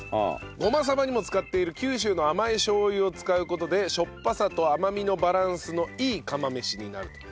ごまさばにも使っている九州の甘いしょう油を使う事でしょっぱさと甘みのバランスのいい釜飯になると。